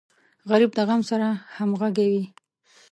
غریب د غم سره همغږی وي